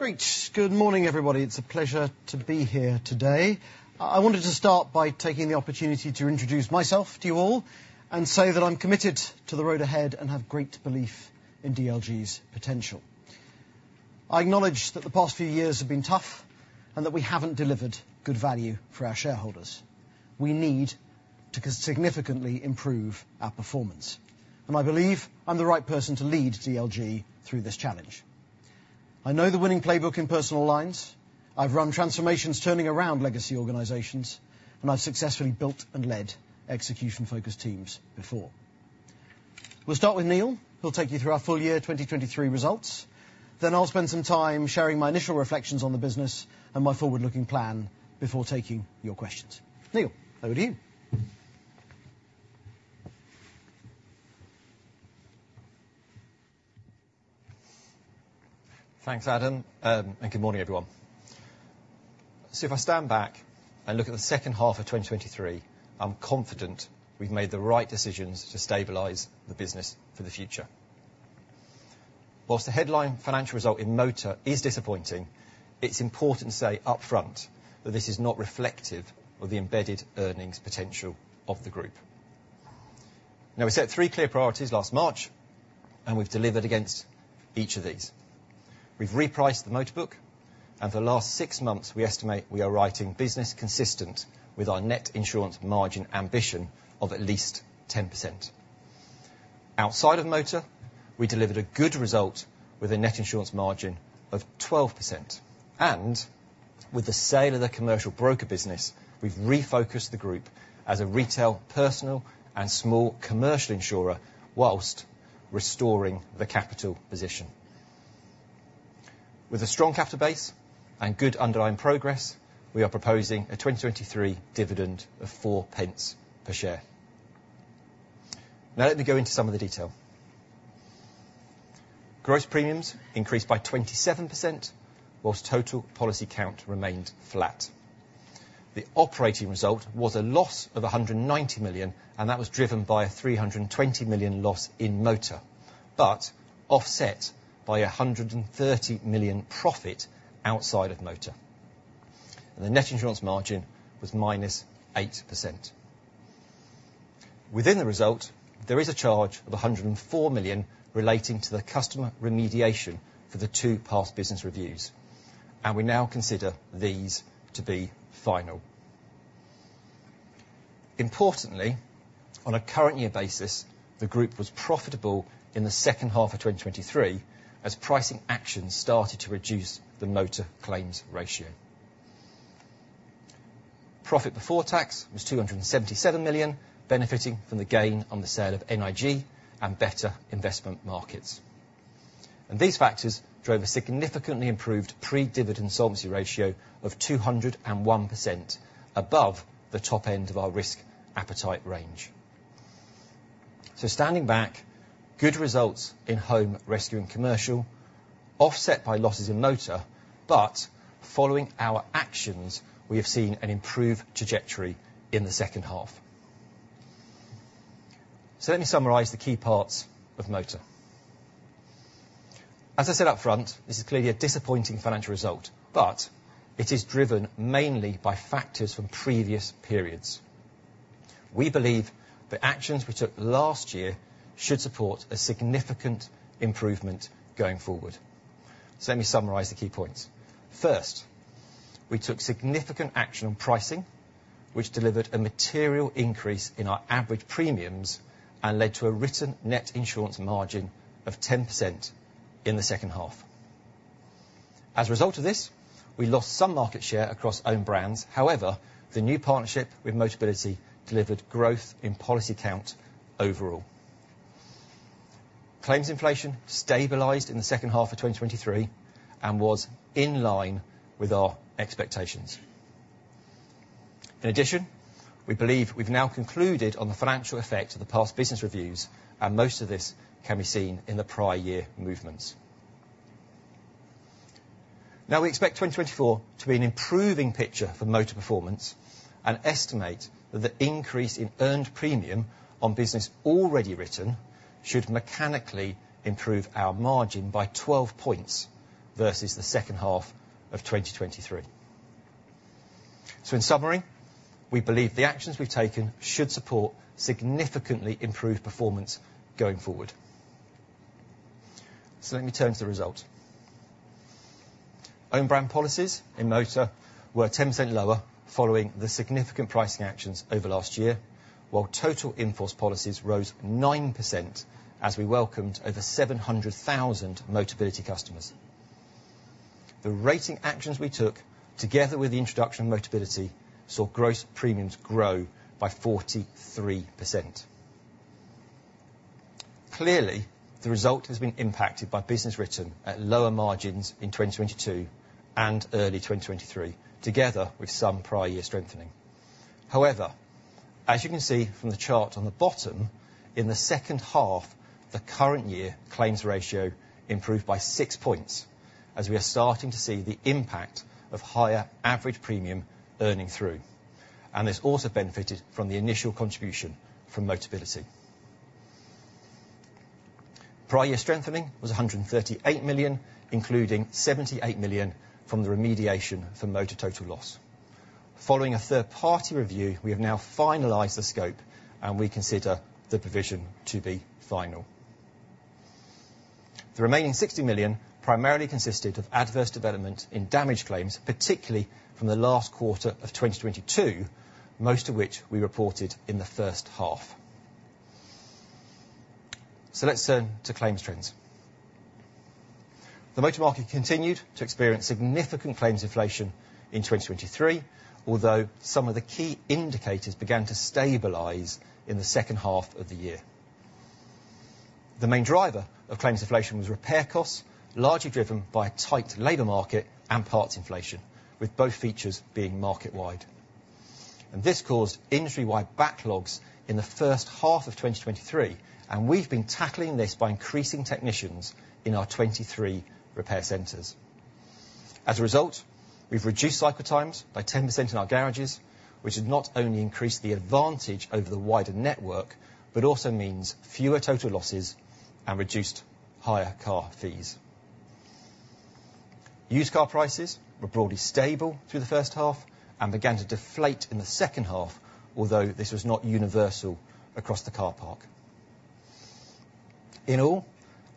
Great. Good morning, everybody. It's a pleasure to be here today. I wanted to start by taking the opportunity to introduce myself to you all and say that I'm committed to the road ahead and have great belief in DLG's potential. I acknowledge that the past few years have been tough and that we haven't delivered good value for our shareholders. We need to significantly improve our performance, and I believe I'm the right person to lead DLG through this challenge. I know the winning playbook in personal lines. I've run transformations turning around legacy organizations, and I've successfully built and led execution-focused teams before. We'll start with Neil. He'll take you through our full year 2023 results. Then I'll spend some time sharing my initial reflections on the business and my forward-looking plan before taking your questions. Neil, over to you. Thanks, Adam, and good morning, everyone. So, if I stand back and look at the second half of 2023, I'm confident we've made the right decisions to stabilize the business for the future. Whilst the headline financial result in Motor is disappointing, it's important to say upfront that this is not reflective of the embedded earnings potential of the group. Now, we set three clear priorities last March, and we've delivered against each of these. We've repriced the Motor book, and for the last six months, we estimate we are writing business consistent with our net insurance margin ambition of at least 10%. Outside of Motor, we delivered a good result with a net insurance margin of 12%. And with the sale of the Commercial broker business, we've refocused the group as a retail, personal, and small Commercial insurer whilst restoring the capital position. With a strong capital base and good underlying progress, we are proposing a 2023 dividend of 0.04 per share. Now, let me go into some of the detail. Gross premiums increased by 27% while total policy count remained flat. The operating result was a loss of 190 million, and that was driven by a 320 million loss in Motor but offset by 130 million profit outside of Motor. The net insurance margin was -8%. Within the result, there is a charge of 104 million relating to the customer remediation for the two Past Business Reviews, and we now consider these to be final. Importantly, on a current-year basis, the group was profitable in the second half of 2023 as pricing actions started to reduce the Motor claims ratio. Profit before tax was 277 million, benefiting from the gain on the sale of NIG and better investment markets. And these factors drove a significantly improved pre-dividend solvency ratio of 201%, above the top end of our risk appetite range. So, standing back, good results in Home Rescue and Commercial, offset by losses in Motor, but following our actions, we have seen an improved trajectory in the second half. So, let me summarize the key parts of Motor. As I said upfront, this is clearly a disappointing financial result, but it is driven mainly by factors from previous periods. We believe the actions we took last year should support a significant improvement going forward. So, let me summarize the key points. First, we took significant action on pricing, which delivered a material increase in our average premiums and led to a written net insurance margin of 10% in the second half. As a result of this, we lost some market share across owned brands. However, the new partnership with Motor delivered growth in policy count overall. Claims inflation stabilized in the second half of 2023 and was in line with our expectations. In addition, we believe we've now concluded on the financial effect of the Past Business Reviews, and most of this can be seen in the prior-year movements. Now, we expect 2024 to be an improving picture for Motor performance and estimate that the increase in earned premium on business already written should mechanically improve our margin by 12 points versus the second half of 2023. So, in summary, we believe the actions we've taken should support significantly improved performance going forward. So let me turn to the results. Owned brand policies in Motor were 10% lower following the significant pricing actions over last year, while total in-force policies rose 9% as we welcomed over 700,000 Motor customers. The rating actions we took, together with the introduction of Motor, saw gross premiums grow by 43%. Clearly, the result has been impacted by business written at lower margins in 2022 and early 2023, together with some prior-year strengthening. However, as you can see from the chart on the bottom, in the second half, the current-year claims ratio improved by 6 points as we are starting to see the impact of higher average premium earning through. This also benefited from the initial contribution from Motor. Prior-year strengthening was 138 million, including 78 million from the Motor Total Loss. following a third-party review, we have now finalized the scope, and we consider the provision to be final. The remaining 60 million primarily consisted of adverse development in damage claims, particularly from the last quarter of 2022, most of which we reported in the first half. Let's turn to claims trends. The motor market continued to experience significant claims inflation in 2023, although some of the key indicators began to stabilize in the second half of the year. The main driver of claims inflation was repair costs, largely driven by a tight labor market and parts inflation, with both features being market-wide. This caused industry-wide backlogs in the first half of 2023, and we've been tackling this by increasing technicians in our 23 repair centers. As a result, we've reduced cycle times by 10% in our garages, which not only increased the advantage over the wider network but also means fewer total losses and reduced higher car fees. Used car prices were broadly stable through the first half and began to deflate in the second half, although this was not universal across the car park. In all,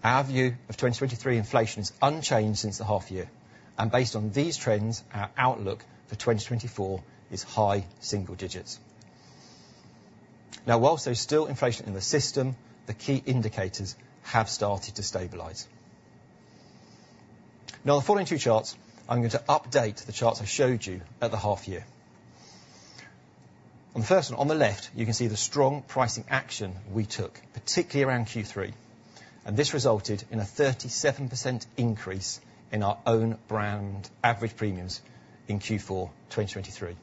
our view of 2023 inflation is unchanged since the half-year, and based on these trends, our outlook for 2024 is high single digits. Now, whilst there's still inflation in the system, the key indicators have started to stabilize. Now, the following two charts, I'm going to update the charts I showed you at the half-year. On the first one, on the left, you can see the strong pricing action we took, particularly around Q3, and this resulted in a 37% increase in our own brand average premiums in Q4 2023.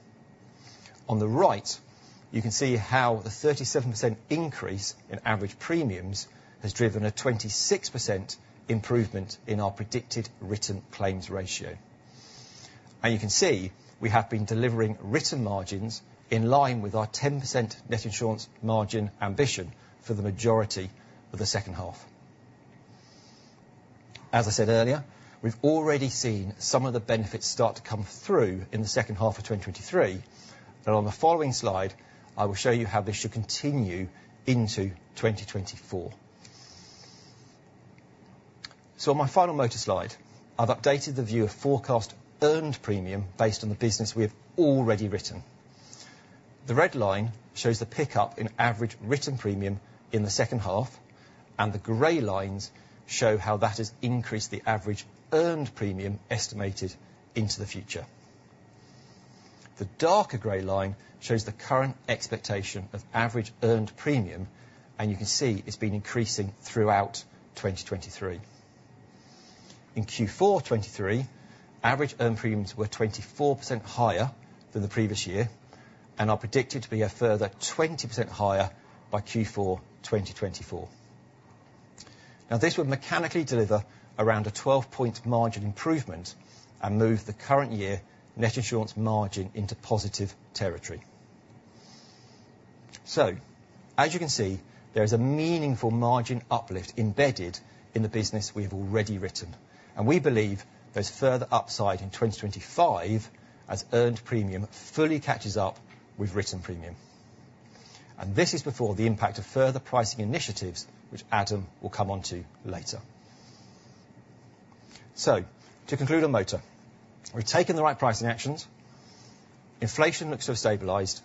On the right, you can see how the 37% increase in average premiums has driven a 26% improvement in our predicted written claims ratio. And you can see we have been delivering written margins in line with our 10% net insurance margin ambition for the majority of the second half. As I said earlier, we've already seen some of the benefits start to come through in the second half of 2023, and on the following slide, I will show you how this should continue into 2024. So, on my final Motor slide, I've updated the view of forecast earned premium based on the business we have already written. The red line shows the pickup in average written premium in the second half, and the grey lines show how that has increased the average earned premium estimated into the future. The darker grey line shows the current expectation of average earned premium, and you can see it's been increasing throughout 2023. In Q4 2023, average earned premiums were 24% higher than the previous year and are predicted to be a further 20% higher by Q4 2024. Now, this would mechanically deliver around a 12-point margin improvement and move the current-year net insurance margin into positive territory. So, as you can see, there is a meaningful margin uplift embedded in the business we have already written, and we believe there's further upside in 2025 as earned premium fully catches up with written premium. This is before the impact of further pricing initiatives, which Adam will come on to later. So, to conclude on Motor, we've taken the right pricing actions, inflation looks to have stabilized,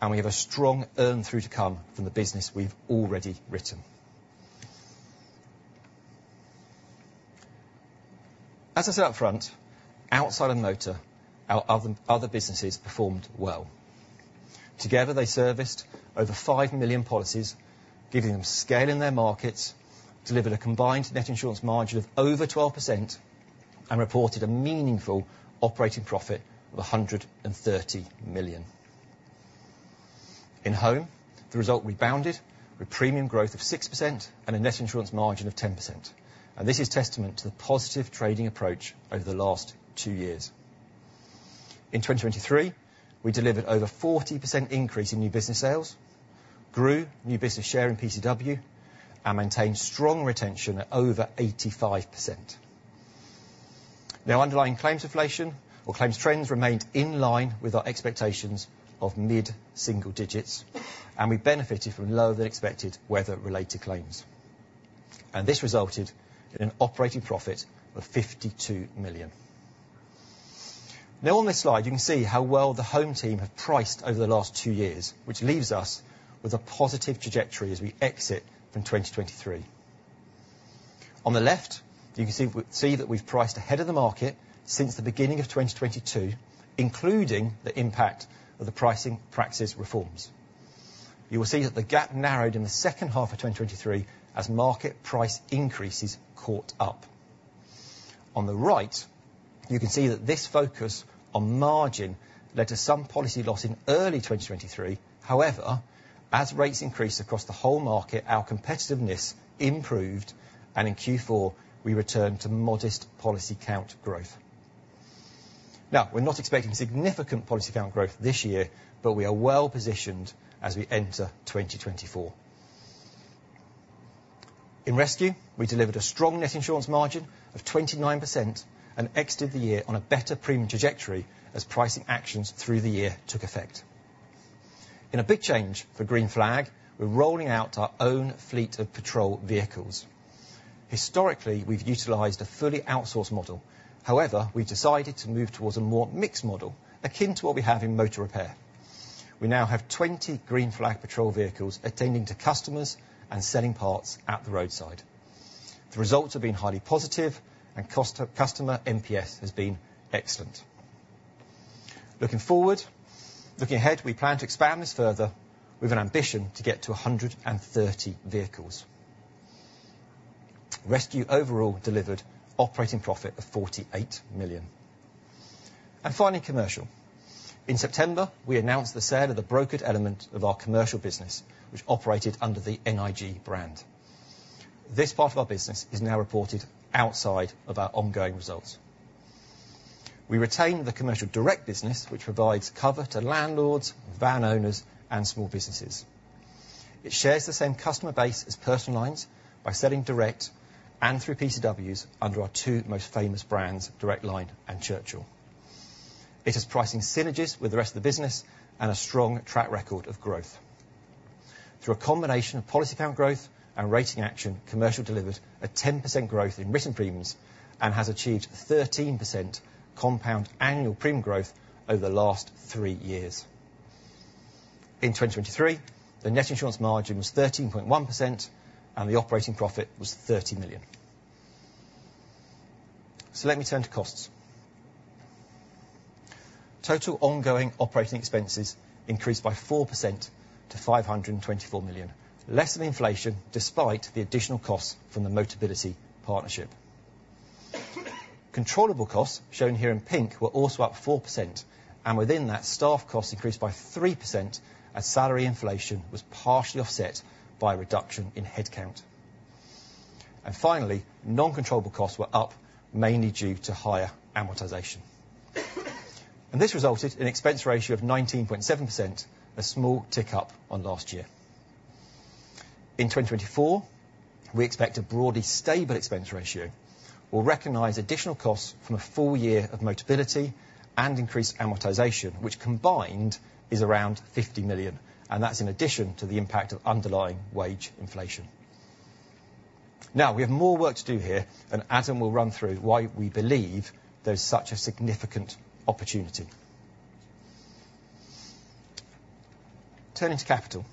and we have a strong earn through to come from the business we've already written. As I said upfront, outside of Motor, our other businesses performed well. Together, they serviced over 5 million policies, giving them scale in their markets, delivered a combined net insurance margin of over 12%, and reported a meaningful operating profit of 130 million. In Home, the result rebounded with premium growth of 6% and a net insurance margin of 10%. This is testament to the positive trading approach over the last two years. In 2023, we delivered over 40% increase in new business sales, grew new business share in PCW, and maintained strong retention at over 85%. Now, underlying claims inflation or claims trends remained in line with our expectations of mid-single digits, and we benefited from lower-than-expected weather-related claims. This resulted in an operating profit of 52 million. Now, on this slide, you can see how well the Home team have priced over the last two years, which leaves us with a positive trajectory as we exit from 2023. On the left, you can see that we've priced ahead of the market since the beginning of 2022, including the impact of the pricing practice reforms. You will see that the gap narrowed in the second half of 2023 as market price increases caught up. On the right, you can see that this focus on margin led to some policy loss in early 2023. However, as rates increased across the whole market, our competitiveness improved, and in Q4, we returned to modest policy count growth. Now, we're not expecting significant policy count growth this year, but we are well-positioned as we enter 2024. In Rescue, we delivered a strong Net Insurance Margin of 29% and exited the year on a better premium trajectory as pricing actions through the year took effect. In a big change for Green Flag, we're rolling out our own fleet of patrol vehicles. Historically, we've utilized a fully outsourced model. However, we've decided to move towards a more mixed model akin to what we have in motor repair. We now have 20 Green Flag patrol vehicles attending to customers and selling parts at the roadside. The results have been highly positive, and customer NPS has been excellent. Looking forward, looking ahead, we plan to expand this further with an ambition to get to 130 vehicles. Rescue overall delivered operating profit of 48 million. And finally, Commercial. In September, we announced the sale of the brokered element of our Commercial business, which operated under the NIG brand. This part of our business is now reported outside of our ongoing results. We retained the Commercial direct business, which provides cover to landlords, van owners, and small businesses. It shares the same customer base as personal lines by selling direct and through PCWs under our two most famous brands, Direct Line and Churchill. It has pricing synergies with the rest of the business and a strong track record of growth. Through a combination of policy count growth and rating action, Commercial delivered a 10% growth in written premiums and has achieved 13% compound annual premium growth over the last three years. In 2023, the net insurance margin was 13.1%, and the operating profit was 30 million. Let me turn to costs. Total ongoing operating expenses increased by 4% to 524 million, less than inflation despite the additional costs from the Motor partnership. Controllable costs shown here in pink were also up 4%, and within that, staff costs increased by 3% as salary inflation was partially offset by a reduction in headcount. Finally, non-controllable costs were up mainly due to higher amortization. This resulted in an expense ratio of 19.7%, a small tick up on last year. In 2024, we expect a broadly stable expense ratio. We'll recognize additional costs from a full year of Motor and increased amortization, which combined is around 50 million, and that's in addition to the impact of underlying wage inflation. Now, we have more work to do here, and Adam will run through why we believe there's such a significant opportunity. Turning to capital.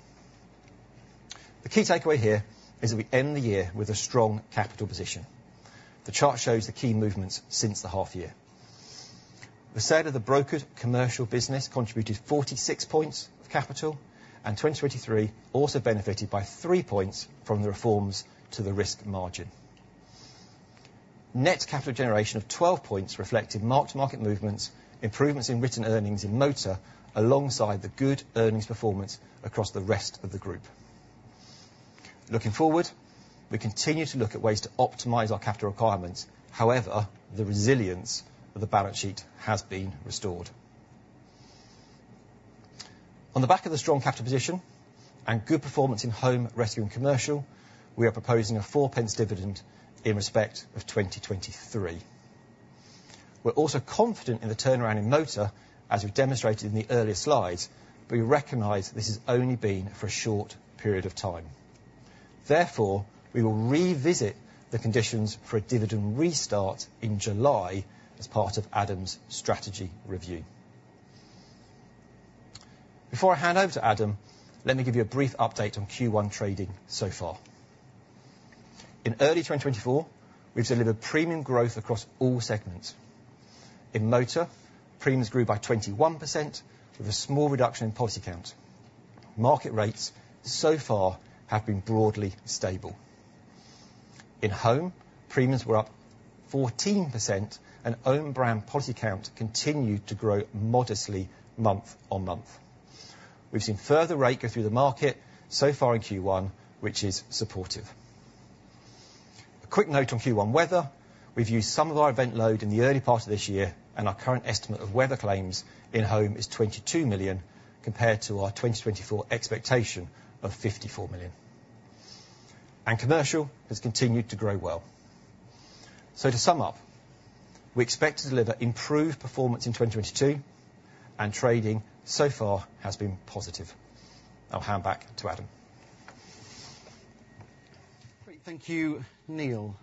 The key takeaway here is that we end the year with a strong capital position. The chart shows the key movements since the half-year. The sale of the brokered Commercial business contributed 46 points of capital, and 2023 also benefited by 3 points from the reforms to the risk margin. Net capital generation of 12 points reflected mark-to-market movements, improvements in written earnings in Motor alongside the good earnings performance across the rest of the group. Looking forward, we continue to look at ways to optimize our capital requirements. However, the resilience of the balance sheet has been restored. On the back of the strong capital position and good performance in Home, Rescue, and Commercial, we are proposing a 0.04 dividend in respect of 2023. We're also confident in the turnaround in Motor, as we've demonstrated in the earlier slides, but we recognize this has only been for a short period of time. Therefore, we will revisit the conditions for a dividend restart in July as part of Adam's strategy review. Before I hand over to Adam, let me give you a brief update on Q1 trading so far. In early 2024, we've delivered premium growth across all segments. In Motor, premiums grew by 21% with a small reduction in policy count. Market rates so far have been broadly stable. In Home, premiums were up 14%, and own brand policy count continued to grow modestly month-on-month. We've seen further rate go through the market so far in Q1, which is supportive. A quick note on Q1 weather. We've used some of our event load in the early part of this year, and our current estimate of weather claims in Home is 22 million compared to our 2024 expectation of 54 million. Commercial has continued to grow well. So, to sum up, we expect to deliver improved performance in 2022, and trading so far has been positive. I'll hand back to Adam. Great. Thank you, Neil.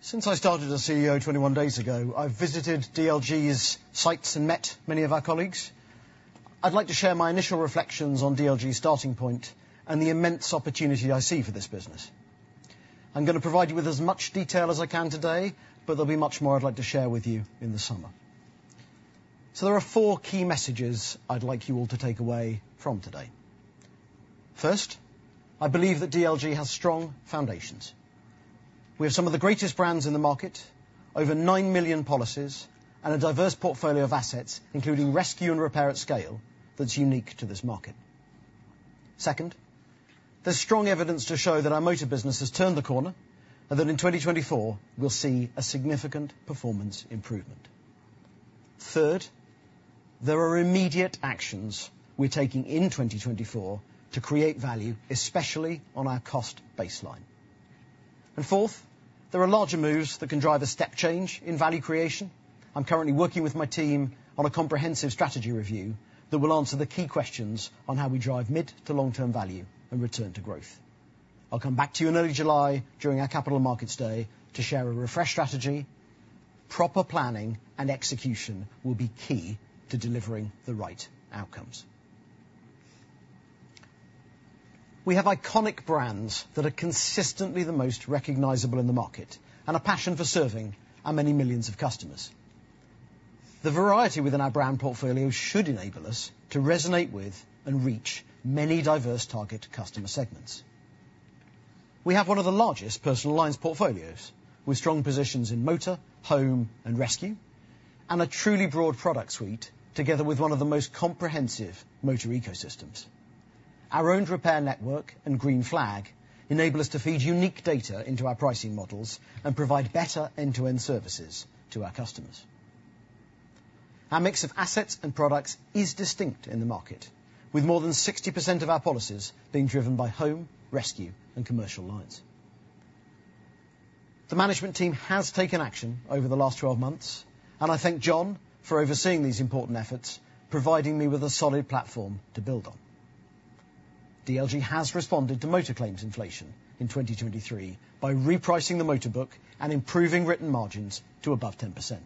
Since I started as CEO 21 days ago, I've visited DLG's sites and met many of our colleagues. I'd like to share my initial reflections on DLG's starting point and the immense opportunity I see for this business. I'm going to provide you with as much detail as I can today, but there'll be much more I'd like to share with you in the summer. So, there are four key messages I'd like you all to take away from today. First, I believe that DLG has strong foundations. We have some of the greatest brands in the market, over nine million policies, and a diverse portfolio of assets, including Rescue and repair at scale, that's unique to this market. Second, there's strong evidence to show that our motor business has turned the corner and that in 2024, we'll see a significant performance improvement. Third, there are immediate actions we're taking in 2024 to create value, especially on our cost baseline. And fourth, there are larger moves that can drive a step change in value creation. I'm currently working with my team on a comprehensive strategy review that will answer the key questions on how we drive mid- to long-term value and return to growth. I'll come back to you in early July during our Capital Markets Day to share a refreshed strategy. Proper planning and execution will be key to delivering the right outcomes. We have iconic brands that are consistently the most recognizable in the market and a passion for serving our many millions of customers. The variety within our brand portfolio should enable us to resonate with and reach many diverse target customer segments. We have one of the largest personal lines portfolios with strong positions in motor, Home, and Rescue, and a truly broad product suite together with one of the most comprehensive motor ecosystems. Our owned repair network and Green Flag enable us to feed unique data into our pricing models and provide better end-to-end services to our customers. Our mix of assets and products is distinct in the market, with more than 60% of our policies being driven by Home, Rescue, and Commercial lines. The management team has taken action over the last 12 months, and I thank Jon for overseeing these important efforts, providing me with a solid platform to build on. DLG has responded to motor claims inflation in 2023 by repricing the motor book and improving written margins to above 10%.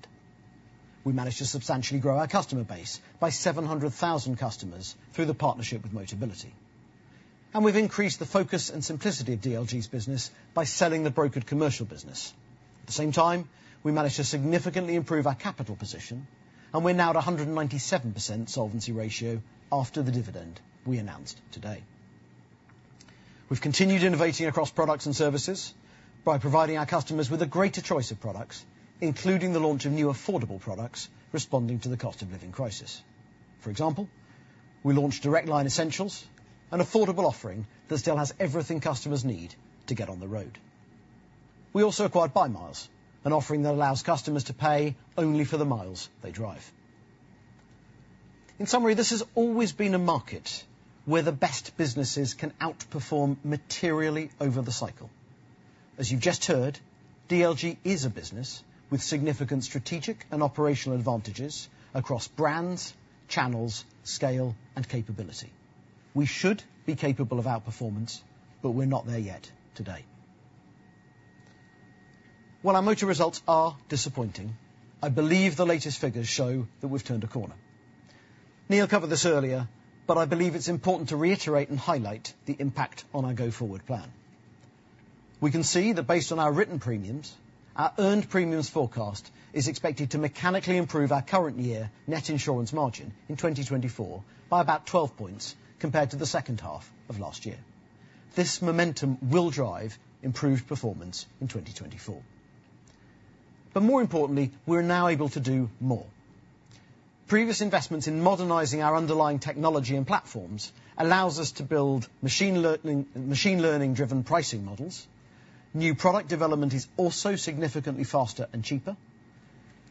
We managed to substantially grow our customer base by 700,000 customers through the partnership with Motor. We've increased the focus and simplicity of DLG's business by selling the brokered Commercial business. At the same time, we managed to significantly improve our capital position, and we're now at 197% solvency ratio after the dividend we announced today. We've continued innovating across products and services by providing our customers with a greater choice of products, including the launch of new affordable products responding to the cost-of-living crisis. For example, we launched Direct Line Essentials, an affordable offering that still has everything customers need to get on the road. We also acquired By Miles, an offering that allows customers to pay only for the miles they drive. In summary, this has always been a market where the best businesses can outperform materially over the cycle. As you've just heard, DLG is a business with significant strategic and operational advantages across brands, channels, scale, and capability. We should be capable of outperformance, but we're not there yet today. While our motor results are disappointing, I believe the latest figures show that we've turned a corner. Neil covered this earlier, but I believe it's important to reiterate and highlight the impact on our go-forward plan. We can see that based on our written premiums, our earned premiums forecast is expected to mechanically improve our current year net insurance margin in 2024 by about 12 points compared to the second half of last year. This momentum will drive improved performance in 2024. But more importantly, we're now able to do more. Previous investments in modernizing our underlying technology and platforms allow us to build machine learning-driven pricing models. New product development is also significantly faster and cheaper.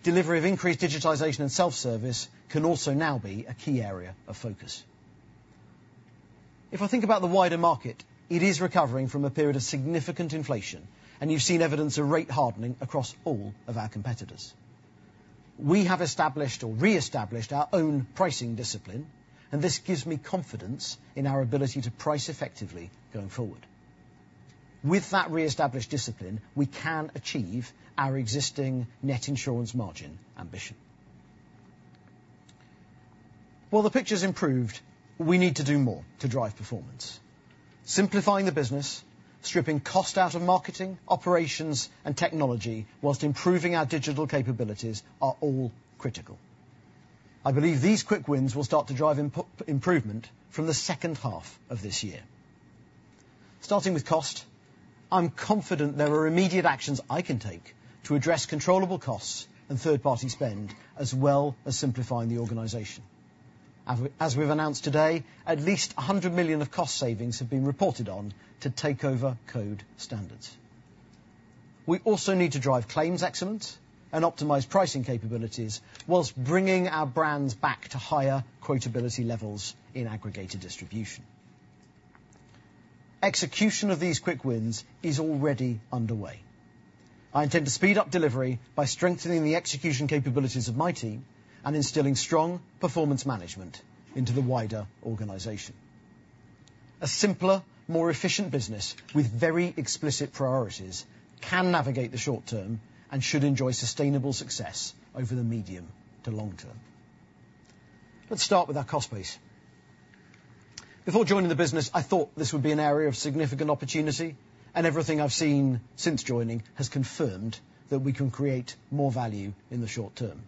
Delivery of increased digitization and self-service can also now be a key area of focus. If I think about the wider market, it is recovering from a period of significant inflation, and you've seen evidence of rate hardening across all of our competitors. We have established or re-established our own pricing discipline, and this gives me confidence in our ability to price effectively going forward. With that re-established discipline, we can achieve our existing net insurance margin ambition. While the picture's improved, we need to do more to drive performance. Simplifying the business, stripping cost out of marketing, operations, and technology whilst improving our digital capabilities are all critical. I believe these quick wins will start to drive improvement from the second half of this year. Starting with cost, I'm confident there are immediate actions I can take to address controllable costs and third-party spend as well as simplifying the organization. As we've announced today, at least 100 million of cost savings have been reported on to take over code standards. We also need to drive claims excellence and optimize pricing capabilities while bringing our brands back to higher quotability levels in aggregated distribution. Execution of these quick wins is already underway. I intend to speed up delivery by strengthening the execution capabilities of my team and instilling strong performance management into the wider organization. A simpler, more efficient business with very explicit priorities can navigate the short term and should enjoy sustainable success over the medium to long term. Let's start with our cost base. Before joining the business, I thought this would be an area of significant opportunity, and everything I've seen since joining has confirmed that we can create more value in the short term.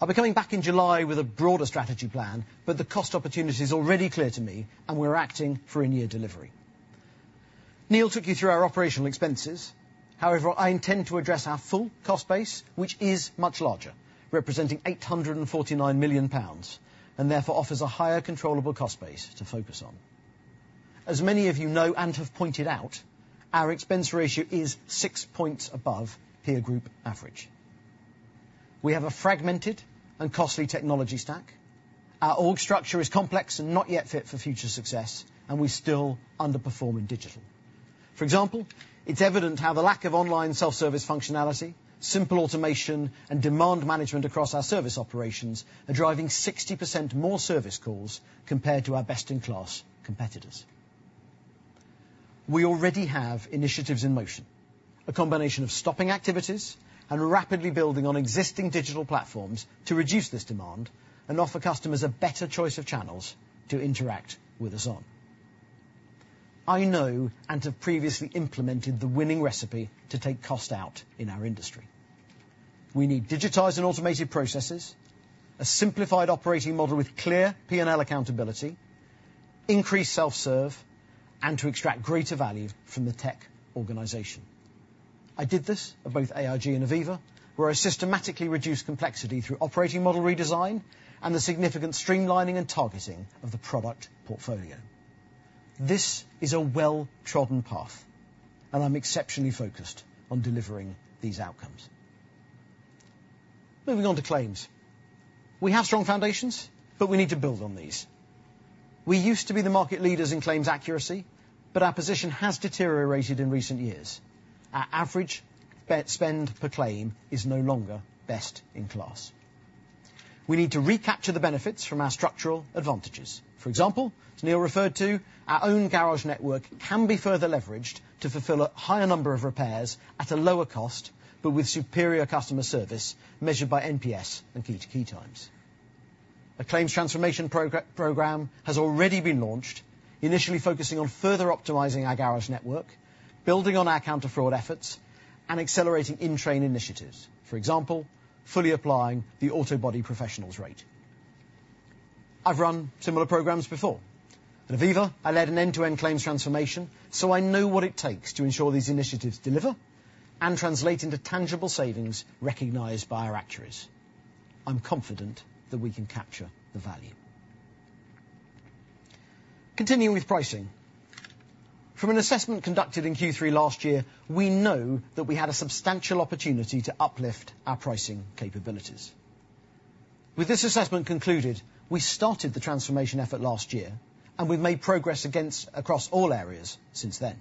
I'll be coming back in July with a broader strategy plan, but the cost opportunity's already clear to me, and we're acting for a near delivery. Neil took you through our operational expenses. However, I intend to address our full cost base, which is much larger, representing 849 million pounds, and therefore offers a higher controllable cost base to focus on. As many of you know and have pointed out, our expense ratio is six points above peer group average. We have a fragmented and costly technology stack. Our org structure is complex and not yet fit for future success, and we still underperform in digital. For example, it's evident how the lack of online self-service functionality, simple automation, and demand management across our service operations are driving 60% more service calls compared to our best-in-class competitors. We already have initiatives in motion, a combination of stopping activities and rapidly building on existing digital platforms to reduce this demand and offer customers a better choice of channels to interact with us on. I know and have previously implemented the winning recipe to take cost out in our industry. We need digitizing automated processes, a simplified operating model with clear P&L accountability, increased self-serve, and to extract greater value from the tech organization. I did this at both AIG and Aviva, where I systematically reduced complexity through operating model redesign and the significant streamlining and targeting of the product portfolio. This is a well-trodden path, and I'm exceptionally focused on delivering these outcomes. Moving on to claims. We have strong foundations, but we need to build on these. We used to be the market leaders in claims accuracy, but our position has deteriorated in recent years. Our average spend per claim is no longer best in class. We need to recapture the benefits from our structural advantages. For example, as Neil referred to, our own garage network can be further leveraged to fulfill a higher number of repairs at a lower cost but with superior customer service measured by NPS and key-to-key times. A claims transformation program has already been launched, initially focusing on further optimizing our garage network, building on our counter-fraud efforts, and accelerating in-train initiatives. For example, fully applying the Auto Body Professionals rate. I've run similar programs before. At Aviva, I led an end-to-end claims transformation, so, I know what it takes to ensure these initiatives deliver and translate into tangible savings recognized by our actuaries. I'm confident that we can capture the value. Continuing with pricing. From an assessment conducted in Q3 last year, we know that we had a substantial opportunity to uplift our pricing capabilities. With this assessment concluded, we started the transformation effort last year, and we've made progress across all areas since then.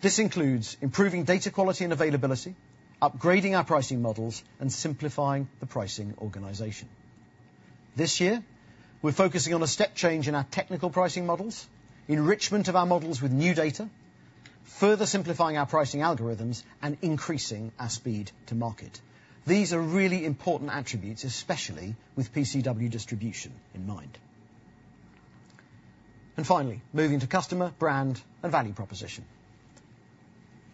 This includes improving data quality and availability, upgrading our pricing models, and simplifying the pricing organization. This year, we're focusing on a step change in our technical pricing models, enrichment of our models with new data, further simplifying our pricing algorithms, and increasing our speed to market. These are really important attributes, especially with PCW distribution in mind. And finally, moving to customer, brand, and value proposition.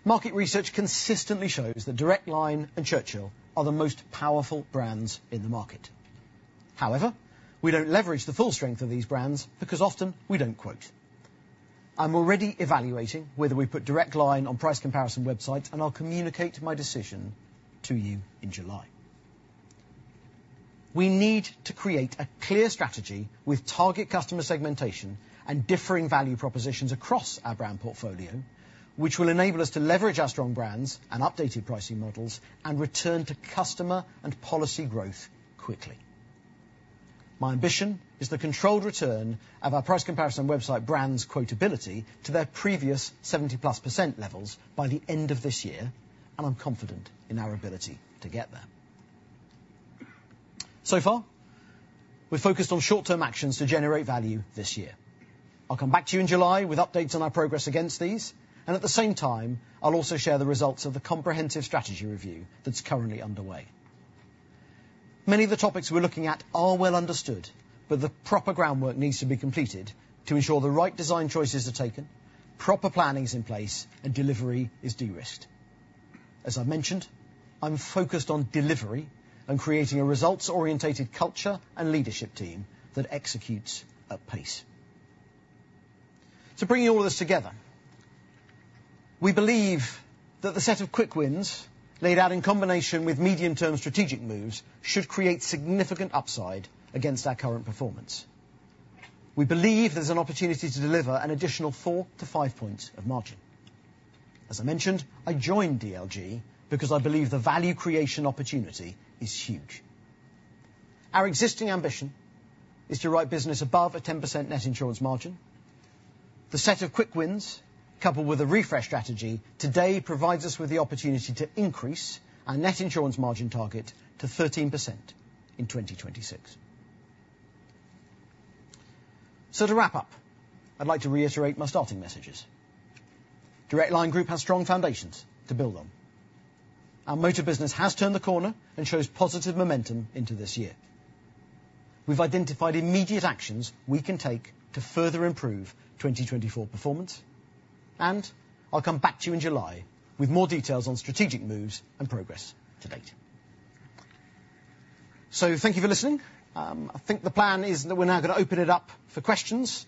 Market research consistently shows that Direct Line and Churchill are the most powerful brands in the market. However, we don't leverage the full strength of these brands because often we don't quote. I'm already evaluating whether we put Direct Line on price comparison websites, and I'll communicate my decision to you in July. We need to create a clear strategy with target customer segmentation and differing value propositions across our brand portfolio, which will enable us to leverage our strong brands and updated pricing models and return to customer and policy growth quickly. My ambition is the controlled return of our price comparison website brands' quotability to their previous 70%+ levels by the end of this year, and I'm confident in our ability to get there. So far, we've focused on short-term actions to generate value this year. I'll come back to you in July with updates on our progress against these, and at the same time, I'll also share the results of the comprehensive strategy review that's currently underway. Many of the topics we're looking at are well understood, but the proper groundwork needs to be completed to ensure the right design choices are taken, proper planning's in place, and delivery is de-risked. As I mentioned, I'm focused on delivery and creating a results-oriented culture and leadership team that executes at pace. To bring you all of this together, we believe that the set of quick wins laid out in combination with medium-term strategic moves should create significant upside against our current performance. We believe there's an opportunity to deliver an additional 4-5 points of margin. As I mentioned, I joined DLG because I believe the value creation opportunity is huge. Our existing ambition is to write business above a 10% net insurance margin. The set of quick wins, coupled with a refresh strategy, today provides us with the opportunity to increase our Net Insurance Margin target to 13% in 2026. So, to wrap up, I'd like to reiterate my starting messages. Direct Line Group has strong foundations to build on. Our motor business has turned the corner and shows positive momentum into this year. We've identified immediate actions we can take to further improve 2024 performance, and I'll come back to you in July with more details on strategic moves and progress to date. So, thank you for listening. I think the plan is that we're now going to open it up for questions.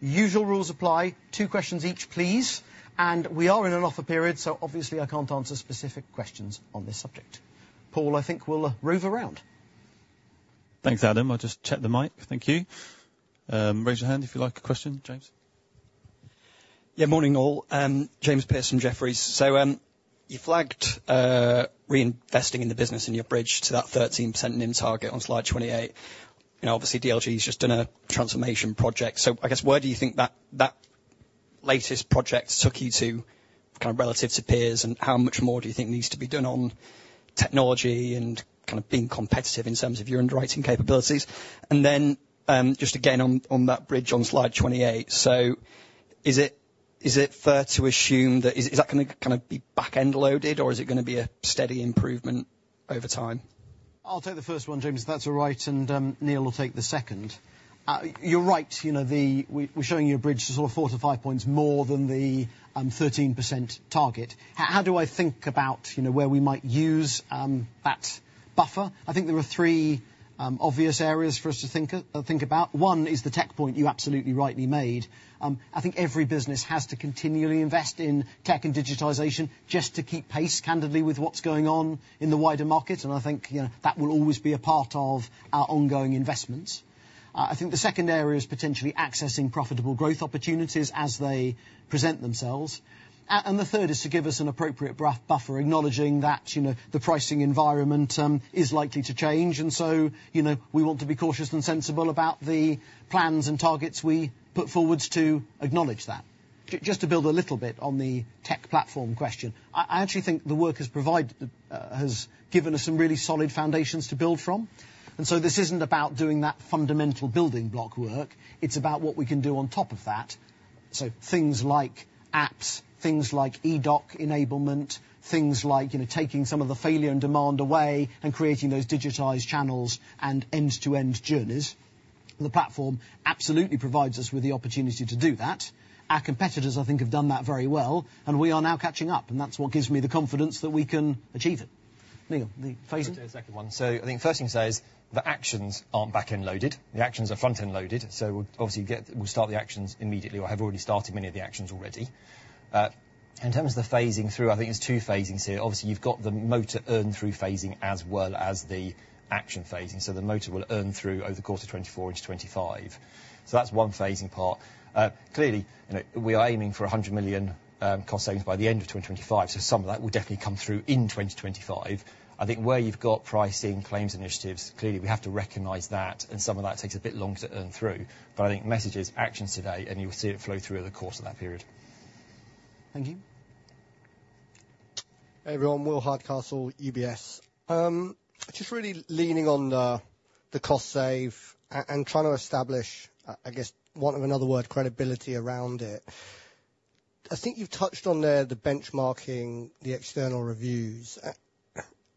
Usual rules apply. Two questions each, please. And we are in an offer period, so obviously I can't answer specific questions on this subject. Paul, I think we'll roam around. Thanks, Adam. I'll just check the mic. Thank you. Raise your hand if you'd like a question, James. Yeah, morning all. James Pearse from Jefferies. So, you flagged reinvesting in the business and your bridge to that 13% NIM target on slide 28. Obviously, DLG's just done a transformation project. So, I guess where do you think that latest project took you to, kind of relative to peers, and how much more do you think needs to be done on technology and kind of being competitive in terms of your underwriting capabilities? And then just again on that bridge on slide 28, so, is it fair to assume that that's going to kind of be back-end loaded, or is it going to be a steady improvement over time? I'll take the first one, James, if that's all right, and Neil will take the second. You're right. We're showing you a bridge to sort of 4-5 points more than the 13% target. How do I think about where we might use that buffer? I think there are three obvious areas for us to think about. One is the tech point you absolutely rightly made. I think every business has to continually invest in tech and digitization just to keep pace, candidly, with what's going on in the wider market, and I think that will always be a part of our ongoing investments. I think the second area is potentially accessing profitable growth opportunities as they present themselves. And the third is to give us an appropriate buffer, acknowledging that the pricing environment is likely to change, and so we want to be cautious and sensible about the plans and targets we put forward to acknowledge that. Just to build a little bit on the tech platform question, I actually think the work has given us some really solid foundations to build from. And so, this isn't about doing that fundamental building block work. It's about what we can do on top of that. So, things like apps, things like e-doc enablement, things like taking some of the failure and demand away and creating those digitized channels and end-to-end journeys. The platform absolutely provides us with the opportunity to do that. Our competitors, I think, have done that very well, and we are now catching up, and that's what gives me the confidence that we can achieve it. Neil, the phasing? Just a second one. So, I think the first thing to say is the actions aren't back-end loaded. The actions are front-end loaded, so obviously we'll start the actions immediately or have already started many of the actions already. In terms of the phasing through, I think there's two phasing here. Obviously, you've got the motor earn-through phasing as well as the action phasing, so the motor will earn through over the course of 2024 into 2025. So, that's one phasing part. Clearly, we are aiming for 100 million cost savings by the end of 2025, so some of that will definitely come through in 2025. I think where you've got pricing, claims initiatives, clearly, we have to recognize that, and some of that takes a bit longer to earn through. But I think the message is actions today, and you'll see it flow through over the course of that period. Thank you. Hey, everyone. Will Hardcastle, UBS. Just really leaning on the cost save and trying to establish, I guess, wanting another word, credibility around it. I think you've touched on there the benchmarking, the external reviews.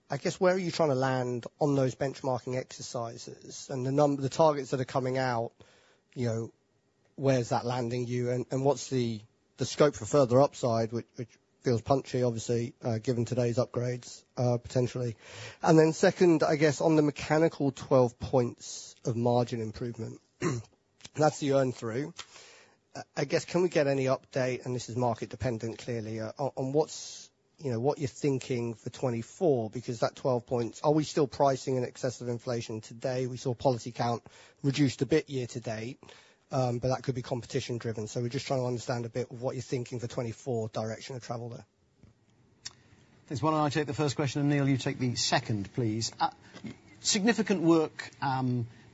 I guess where are you trying to land on those benchmarking exercises? And the targets that are coming out, where's that landing you, and what's the scope for further upside, which feels punchy, obviously, given today's upgrades, potentially? And then second, I guess, on the mechanical 12 points of margin improvement, that's the earn-through. I guess can we get any update, and this is market-dependent, clearly, on what you're thinking for 2024? Because those 12 points, are we still pricing in excessive inflation today? We saw policy count reduced a bit year to date, but that could be competition driven. We're just trying to understand a bit of what you're thinking for 2024 direction of travel there. Thanks, Will. And I'll take the first question, and Neil, you take the second, please. Significant work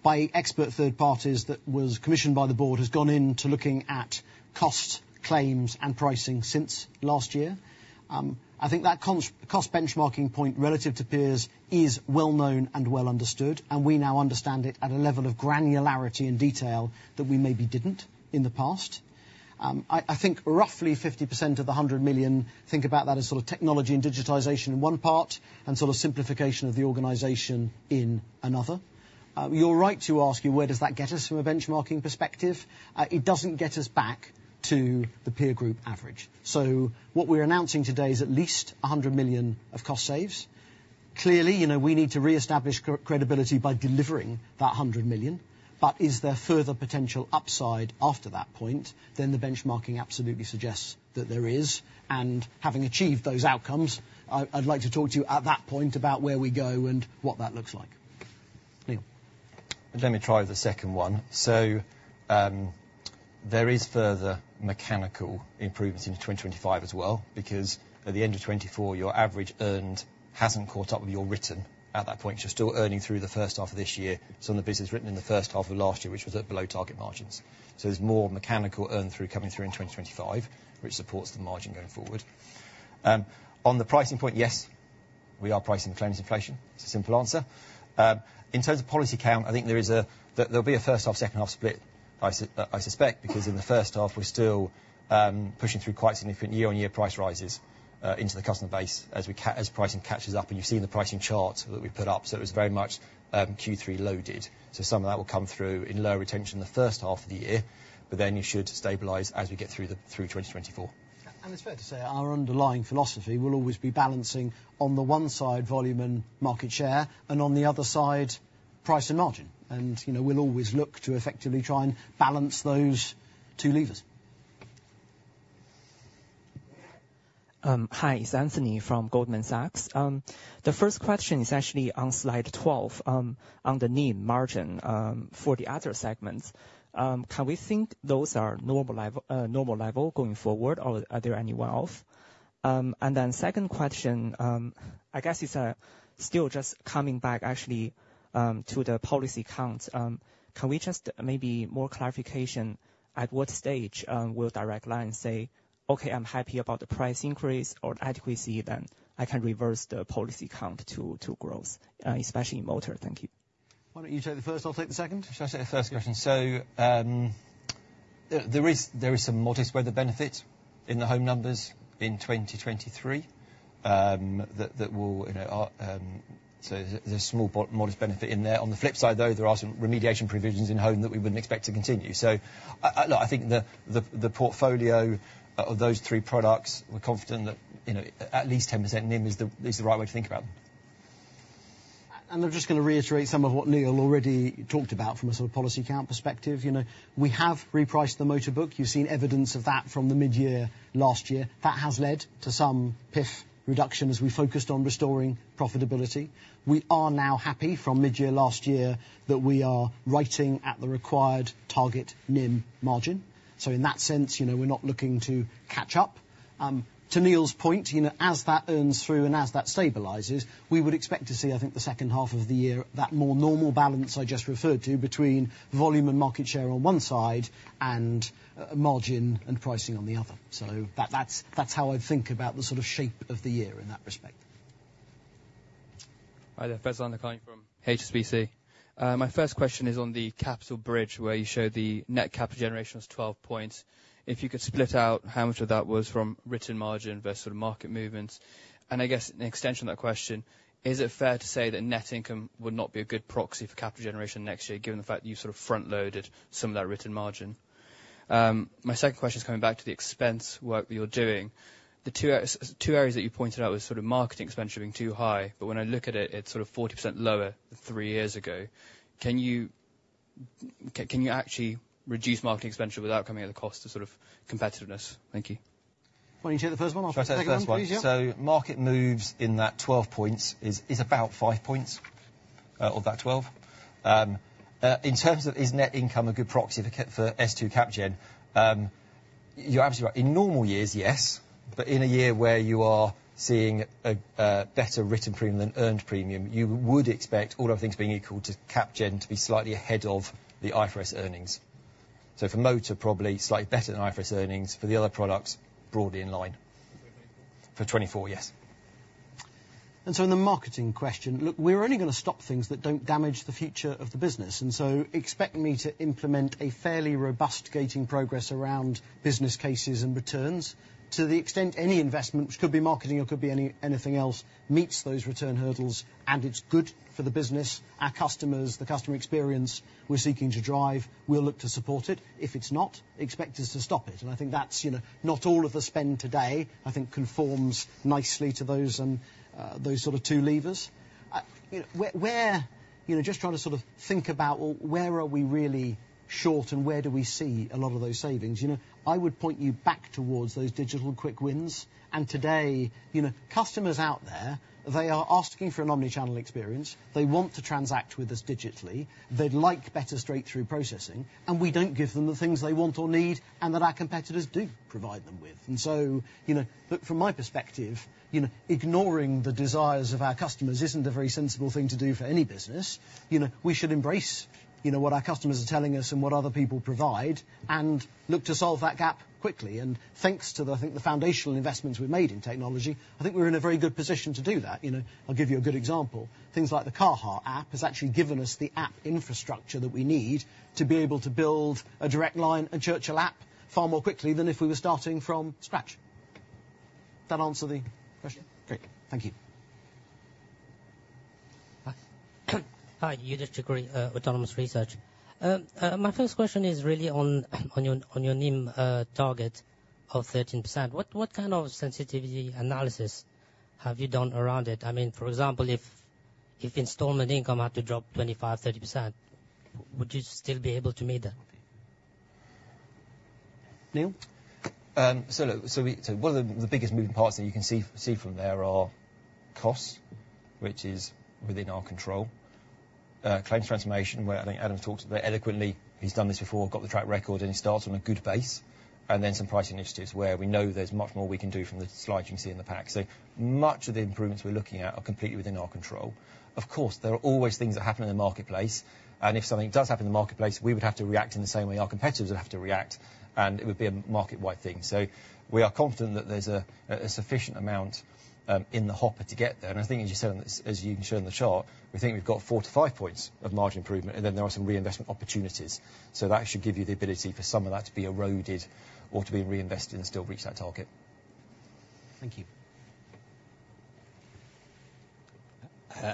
by expert third parties that was commissioned by the board has gone into looking at cost, claims, and pricing since last year. I think that cost benchmarking point relative to peers is well known and well understood, and we now understand it at a level of granularity and detail that we maybe didn't in the past. I think roughly 50% of the 100 million think about that as sort of technology and digitization in one part and sort of simplification of the organization in another. You're right to ask, where does that get us from a benchmarking perspective? It doesn't get us back to the peer group average. So what we're announcing today is at least 100 million of cost saves. Clearly, we need to re-establish credibility by delivering that 100 million, but is there further potential upside after that point? Then the benchmarking absolutely suggests that there is, and having achieved those outcomes, I'd like to talk to you at that point about where we go and what that looks like. Neil. Let me try the second one. So, there is further mechanical improvements into 2025 as well, because at the end of 2024, your average earned hasn't caught up with your written at that point. You're still earning through the first half of this year. Some of the business is written in the first half of last year, which was at below target margins. So, there's more mechanical earn-through coming through in 2025, which supports the margin going forward. On the pricing point, yes, we are pricing the claims inflation. It's a simple answer. In terms of policy count, I think there'll be a first-half, second-half split, I suspect, because in the first half we're still pushing through quite significant year-on-year price rises into the customer base as pricing catches up, and you've seen the pricing chart that we put up, so it was very much Q3 loaded. Some of that will come through in lower retention in the first half of the year, but then you should stabilize as we get through 2024. It's fair to say our underlying philosophy will always be balancing on the one side volume and market share, and on the other side price and margin. We'll always look to effectively try and balance those two levers. Hi, it's Anthony from Goldman Sachs. The first question is actually on slide 12, on the NIM margin for the other segments. Can we think those are normal level going forward, or are there any one-off? And then second question, I guess it's still just coming back actually to the policy count. Can we just maybe more clarification at what stage will Direct Line say, "Okay, I'm happy about the price increase or adequacy, then I can reverse the policy count to growth, especially in motor?" Thank you. Why don't you take the first? I'll take the second. Should I take the first question? So there is some modest weather benefit in the home numbers in 2023, so there's a small modest benefit in there. On the flip side, though, there are some remediation provisions in Home that we wouldn't expect to continue. So, look, I think the portfolio of those three products, we're confident that at least 10% NIM is the right way to think about them. I'm just going to reiterate some of what Neil already talked about from a sort of policy count perspective. We have repriced the motor book. You've seen evidence of that from the mid-year last year. That has led to some PIF reduction as we focused on restoring profitability. We are now happy from mid-year last year that we are writing at the required target NIM margin. So, in that sense, we're not looking to catch up. To Neil's point, as that earns through and as that stabilizes, we would expect to see, I think, the second half of the year that more normal balance I just referred to between volume and market share on one side and margin and pricing on the other. So, that's how I'd think about the sort of shape of the year in that respect. Hi there. Faizan on the line from HSBC. My first question is on the capital bridge where you showed the net capital generation was 12 points. If you could split out how much of that was from written margin versus sort of market movements. I guess an extension of that question, is it fair to say that net income would not be a good proxy for capital generation next year given the fact that you sort of front-loaded some of that written margin? My second question is coming back to the expense work that you're doing. The two areas that you pointed out were sort of marketing expense being too high, but when I look at it, it's sort of 40% lower than three years ago. Can you actually reduce marketing expense without coming at the cost of sort of competitiveness? Thank you. Why don't you take the first one? I'll take the first one, please, yeah? So, market moves in those 12 points is about 5 points of that 12. In terms of, is net income a good proxy for S2 cap gen, you're absolutely right. In normal years, yes, but in a year where you are seeing a better written premium than earned premium, you would expect all of things being equal to cap gen to be slightly ahead of the IFRS earnings. So, for motor, probably slightly better than IFRS earnings. For the other products, broadly in line. For '24? For 2024, yes. And so, in the marketing question, look, we're only going to stop things that don't damage the future of the business, and so expect me to implement a fairly robust gating process around business cases and returns. To the extent any investment, which could be marketing or could be anything else, meets those return hurdles and it's good for the business, our customers, the customer experience we're seeking to drive, we'll look to support it. If it's not, expect us to stop it. And I think that's not all of the spend today, I think, conforms nicely to those sorts of two levers. Just trying to sort of think about where are we really short and where do we see a lot of those savings? I would point you back towards those digital quick wins. And today, customers out there, they are asking for an omnichannel experience. They want to transact with us digitally. They'd like better straight-through processing, and we don't give them the things they want or need and that our competitors do provide them with. And so, look, from my perspective, ignoring the desires of our customers isn't a very sensible thing to do for any business. We should embrace what our customers are telling us and what other people provide and look to solve that gap quickly. And thanks to, I think, the foundational investments we've made in technology, I think we're in a very good position to do that. I'll give you a good example. Things like the Caha app has actually given us the app infrastructure that we need to be able to build a Direct Line, a Churchill app, far more quickly than if we were starting from scratch. Did that answer the question? Great. Thank you. Hi. Youdish Chicooree, Autonomous Research. My first question is really on your NIM target of 13%. What kind of sensitivity analysis have you done around it? I mean, for example, if installment income had to drop 25%-30%, would you still be able to meet that? Neil? So, look one of the biggest moving parts that you can see from there are costs, which is within our control. Claims transformation, where I think Adam's talked about it adequately. He's done this before, got the track record, and he starts on a good base. And then some pricing initiatives where we know there's much more, we can do from the slide you can see in the pack much of the improvements we're looking at are completely within our control. Of course, there are always things that happen in the marketplace, and if something does happen in the marketplace, we would have to react in the same way our competitors would have to react, and it would be a market-wide thing. So, we are confident that there's a sufficient amount in the hopper to get there. I think, as you said, as you can show in the chart, we think we've got 4-5 points of margin improvement, and then there are some reinvestment opportunities. That should give you the ability for some of that to be eroded or to be reinvested and still reach that target. Thank you.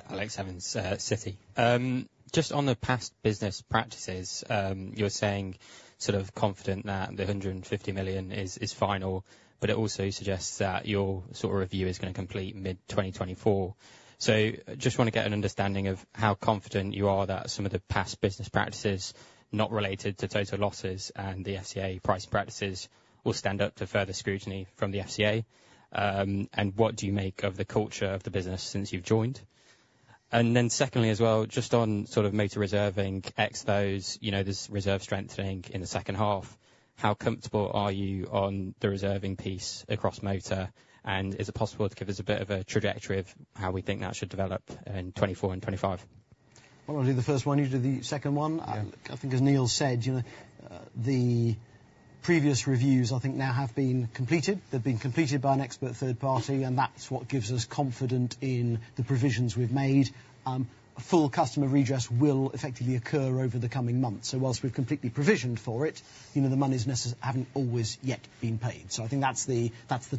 Alex Evans, Citi. Just on the past business practices, you were saying sort of confident that the 150 million is final, but it also suggests that your sort of review is going to complete mid-2024. So, just want to get an understanding of how confident you are that some of the past business practices, not related to total losses and the FCA pricing practices, will stand up to further scrutiny from the FCA. And what do you make of the culture of the business since you've joined? And then secondly as well, just on sort of motor reserving exposure, there's reserve strengthening in the second half. How comfortable are you on the reserving piece across motor, and is it possible to give us a bit of a trajectory of how we think that should develop in 2024 and 2025? Well, I'll do the first one. You do the second one. I think, as Neil said, the previous reviews, I think, now have been completed. They've been completed by an expert third party, and that's what gives us confidence in the provisions we've made. A full customer redress will effectively occur over the coming months. So, while we've completely provisioned for it, the money hasn't always yet been paid. So, I think that's the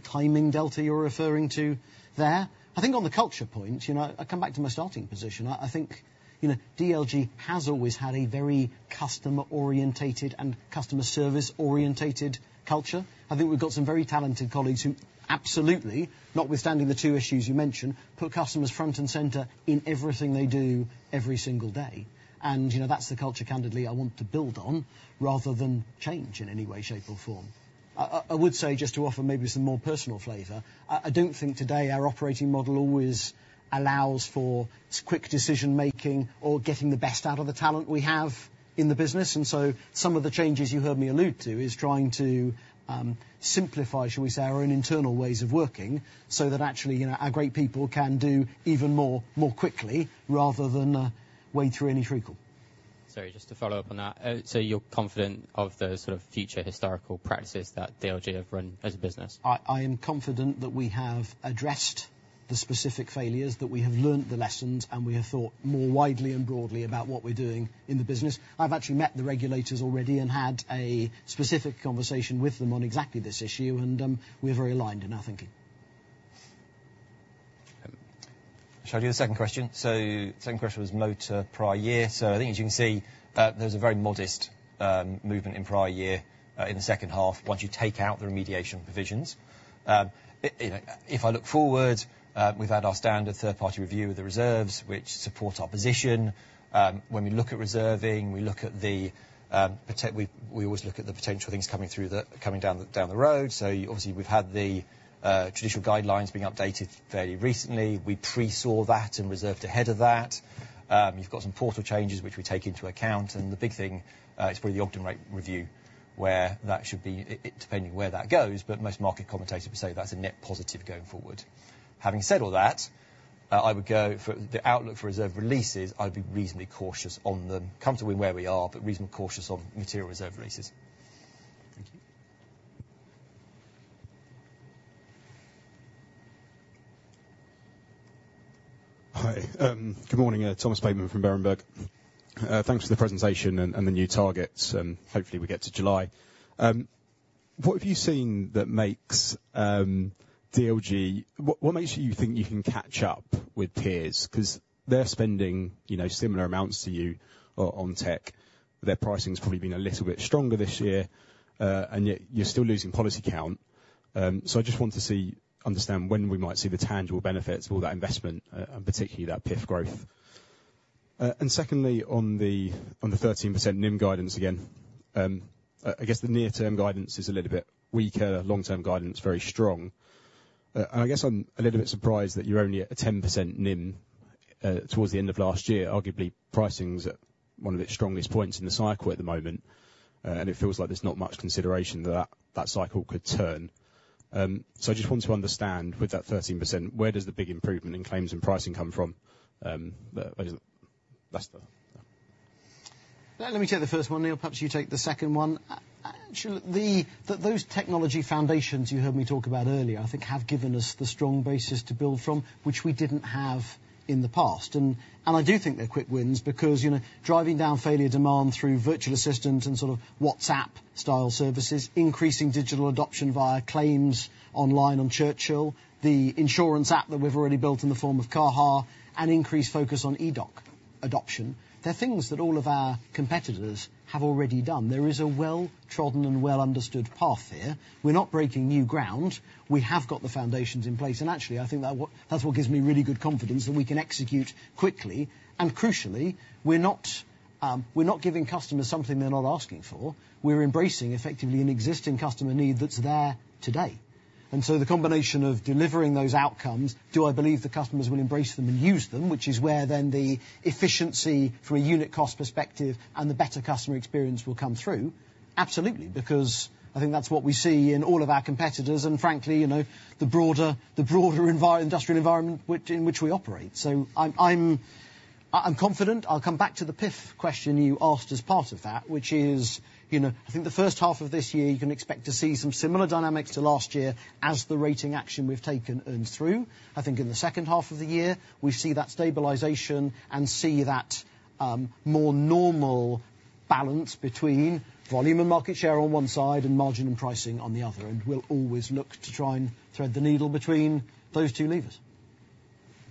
timing delta you're referring to there. I think on the culture point, I come back to my starting position. I think DLG has always had a very customer-oriented and customer-service-oriented culture. I think we've got some very talented colleagues who absolutely, notwithstanding the two issues you mentioned, put customers front and center in everything they do every single day. That's the culture, candidly, I want to build on rather than change in any way, shape, or form. I would say, just to offer maybe some more personal flavor, I don't think today our operating model always allows for quick decision-making or getting the best out of the talent we have in the business. Some of the changes you heard me allude to is trying to simplify, shall we say, our own internal ways of working so that actually our great people can do even more quickly rather than wade through any treacle. Sorry, just to follow up on that. You're confident of the sort of future historical practices that DLG have run as a business? I am confident that we have addressed the specific failures, that we have learned the lessons, and we have thought more widely and broadly about what we're doing in the business. I've actually met the regulators already and had a specific conversation with them on exactly this issue, and we are very aligned in our thinking. Should I do the second question? So, the second question was motor prior year. So, I think, as you can see, there's a very modest movement in prior year in the second half once you take out the remediation provisions. If I look forward, we've had our standard third-party review of the reserves, which support our position. When we look at reserving, we always look at the potential things coming down the road. So obviously, we've had the Judicial Guidelines being updated fairly recently. We foresaw that and reserved ahead of that. You've got some portal changes, which we take into account. And the big thing is probably the Ogden rate review where that should be depending on where that goes, but most market commentators would say that's a net positive going forward. Having said all that, I would go for the outlook for reserve releases. I'd be reasonably cautious on them. Comfortable in where we are, but reasonably cautious on material reserve releases. Thank you. Hi. Good morning. Thomas Bateman from Berenberg. Thanks for the presentation and the new targets. Hopefully, we get to July. What have you seen that makes DLG what makes you think you can catch up with peers? Because they're spending similar amounts to you on tech. Their pricing's probably been a little bit stronger this year, and yet you're still losing policy count. So, I just want to understand when we might see the tangible benefits of all that investment, and particularly that PIF growth. And secondly, on the 13% NIM guidance, again, I guess the near-term guidance is a little bit weaker, long-term guidance very strong. And I guess I'm a little bit surprised that you're only at a 10% NIM towards the end of last year, arguably pricing's at one of its strongest points in the cycle at the moment, and it feels like there's not much consideration that that cycle could turn. So, I just want to understand, with that 13%, where does the big improvement in claims and pricing come from? That's the. Let me take the first one, Neil. Perhaps you take the second one. Actually, those technology foundations you heard me talk about earlier, I think, have given us the strong basis to build from, which we didn't have in the past. And I do think they're quick wins because driving down failure demand through virtual assistant and sort of WhatsApp-style services, increasing digital adoption via claims online on Churchill, the insurance app that we've already built in the form of Caha!, and increased focus on e-doc adoption, they're things that all of our competitors have already done. There is a well-trodden and well-understood path here. We're not breaking new ground. We have got the foundations in place. And actually, I think that's what gives me really good confidence that we can execute quickly. And crucially, we're not giving customers something they're not asking for. We're embracing, effectively, an existing customer need that's there today. And so, the combination of delivering those outcomes, do I believe the customers will embrace them and use them, which is where then the efficiency from a unit cost perspective and the better customer experience will come through? Absolutely, because I think that's what we see in all of our competitors and, frankly, the broader industrial environment in which we operate. So, I'm confident. I'll come back to the PIF question you asked as part of that, which is I think the first half of this year, you can expect to see some similar dynamics to last year as the rating action we've taken earns through. I think in the second half of the year, we see that stabilization and see that more normal balance between volume and market share on one side and margin and pricing on the other. We'll always look to try and thread the needle between those two levers.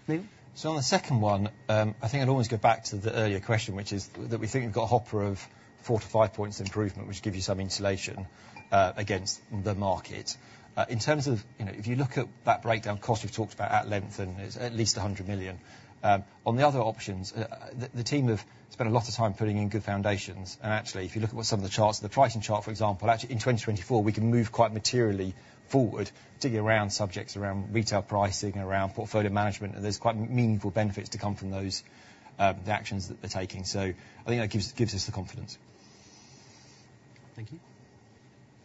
Neil? So, on the second one, I think I'd always go back to the earlier question, which is that we think we've got a hopper of 4-5 points of improvement, which gives you some insulation against the market. In terms of if you look at that breakdown cost, we've talked about at length, and its at least 100 million, on the other options, the team have spent a lot of time putting in good foundations. And actually, if you look at what some of the charts, the pricing chart, for example, actually in 2024, we can move quite materially forward, digging around subjects around retail pricing, around portfolio management, and there's quite meaningful benefits to come from the actions that they're taking. So, I think that gives us the confidence. Thank you.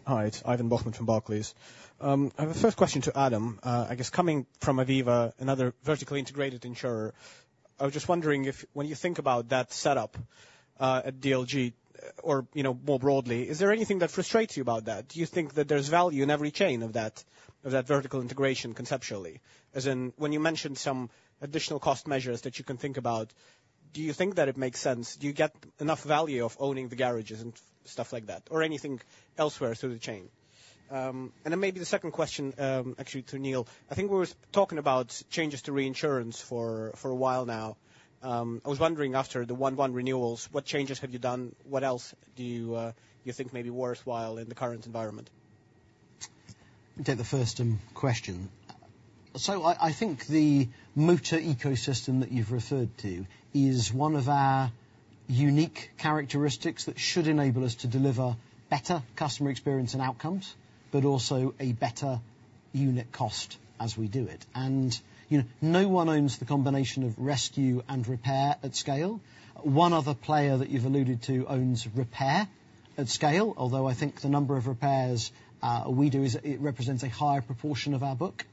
Hi. It's Ivan Bokhmat from Barclays. I have a first question to Adam. I guess coming from Aviva, another vertically integrated insurer, I was just wondering if when you think about that setup at DLG, or more broadly, is there anything that frustrates you about that? Do you think that there's value in every chain of that vertical integration conceptually? As in, when you mentioned some additional cost measures that you can think about, do you think that it makes sense? Do you get enough value of owning the garages and stuff like that, or anything elsewhere through the chain? And then maybe the second question, actually, to Neil. I think we were talking about changes to reinsurance for a while now. I was wondering, after the 1/1 renewals, what changes have you done? What else do you think may be worthwhile in the current environment? I'll take the first question. I think the motor ecosystem that you've referred to is one of our unique characteristics that should enable us to deliver better customer experience and outcomes, but also a better unit cost as we do it. No one owns the combination of Rescue and repair at scale. One other player that you've alluded to owns repair at scale, although I think the number of repairs we do represents a higher proportion of our book.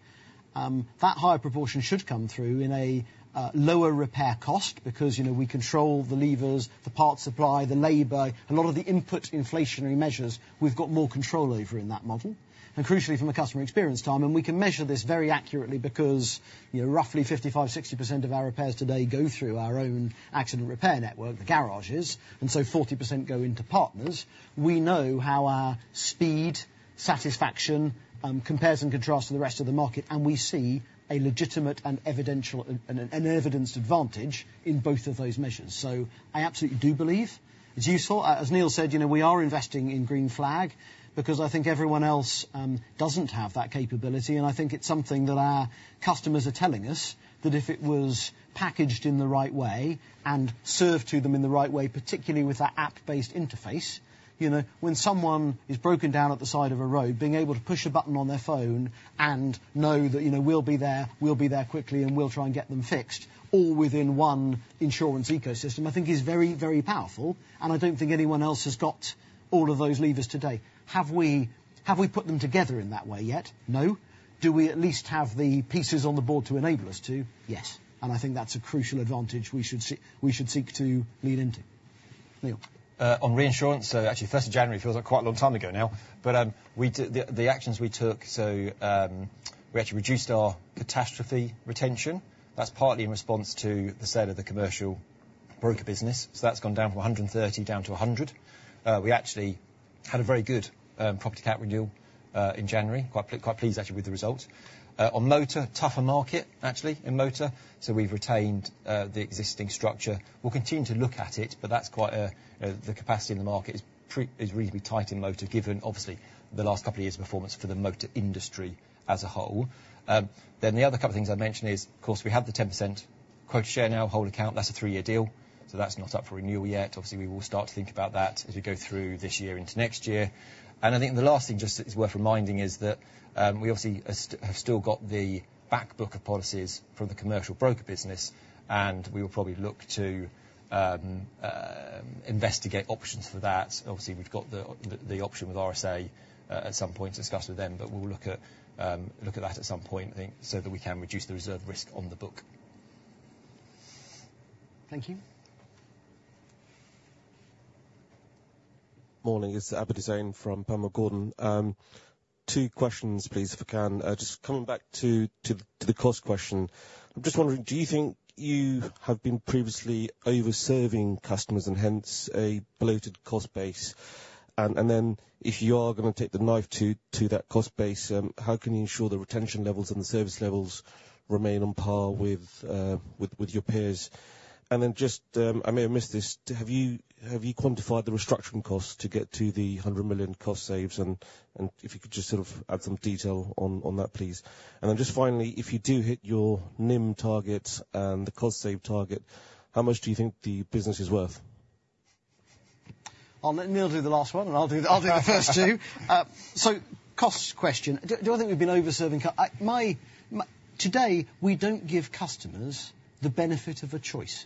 That higher proportion should come through in a lower repair cost because we control the levers, the part supply, the labor, a lot of the input inflationary measures. We've got more control over in that model. Crucially, from a customer experience time, and we can measure this very accurately because roughly 55%-60% of our repairs today go through our own accident repair network, the garages, and so 40% go into partners, we know how our speed satisfaction compares and contrasts to the rest of the market, and we see a legitimate and evidenced advantage in both of those measures. I absolutely do believe it's useful. As Neil said, we are investing in Green Flag because I think everyone else doesn't have that capability, and I think it's something that our customers are telling us that if it was packaged in the right way and served to them in the right way, particularly with that app-based interface, when someone is broken down at the side of a road, being able to push a button on their phone and know that we'll be there, we'll be there quickly, and we'll try and get them fixed, all within one insurance ecosystem, I think is very, very powerful. And I don't think anyone else has got all of those levers today. Have we put them together in that way yet? No. Do we at least have the pieces on the board to enable us to? Yes. And I think that's a crucial advantage we should seek to lean into. Neil? On reinsurance, so actually, 1st of January feels like quite a long time ago now, but the actions we took, so we actually reduced our catastrophe retention. That's partly in response to the sale of the Commercial broker business. So, that's gone down from 130 down to 100. We actually had a very good property cat renewal in January, quite pleased, actually, with the results. On motor, tougher market, actually, in motor, so we've retained the existing structure. We'll continue to look at it, but that's quite the capacity in the market is reasonably tight in motor, given, obviously, the last couple of years' performance for the motor industry as a whole. Then the other couple of things I'd mention is, of course, we have the 10% quota share now, whole account. That's a three-year deal. So, that's not up for renewal yet. Obviously, we will start to think about that as we go through this year into next year. I think the last thing just that's worth reminding is that we obviously have still got the backbook of policies from the Commercial broker business, and we will probably look to investigate options for that. Obviously, we've got the option with RSA at some point to discuss with them, but we'll look at that at some point, I think, so that we can reduce the reserve risk on the book. Thank you. Morning. It's Abid Hussain from Panmure Gordon. Two questions, please, if I can. Just coming back to the cost question, I'm just wondering, do you think you have been previously overserving customers and hence a bloated cost base? And then if you are going to take the knife to that cost base, how can you ensure the retention levels and the service levels remain on par with your peers? And then just, I may have missed this, have you quantified the restructuring costs to get to the 100 million cost saves? And if you could just sort of add some detail on that, please. And then just finally, if you do hit your NIM targets and the cost save target, how much do you think the business is worth? Neil'll do the last one, and I'll do the first two. So, cost question. Do I think we've been overserving today? We don't give customers the benefit of a choice